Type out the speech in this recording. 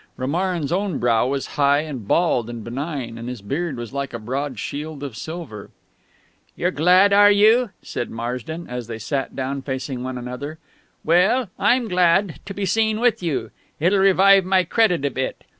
Romarin's own brow was high and bald and benign, and his beard was like a broad shield of silver. "You're glad, are you?" said Marsden, as they sat down facing one another. "Well, I'm glad to be seen with you. It'll revive my credit a bit.